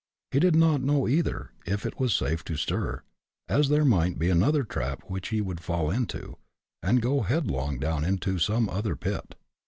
He did not know either, if it was safe to stir, as there might be another trap which he would fall into, and go headlong down into some other pit.